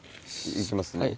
いきますね。